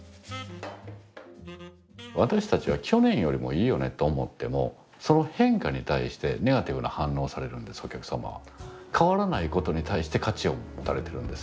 私たちは「去年よりもいいよね」と思ってもその変化に対してネガティブな反応をされるんですお客様は。